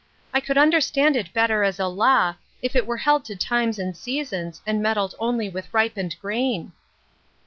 I could understand it better as a law, if it were held to times and seasons, and meddled only with ripened grain."